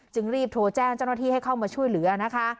รีบโทรแจ้งเจ้าหน้าที่ให้เข้ามาช่วยเหลือนะคะ